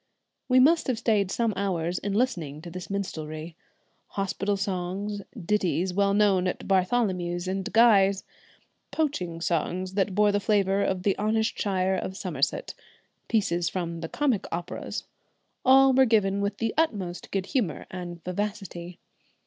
We must have stayed some hours in listening to this minstrelsy. Hospital songs, ditties well known at Bartholomew's and Guy's; poaching songs that bore the flavour of the honest shire of Somerset; pieces from the comic operas; all were given with the utmost good humour and vivacity.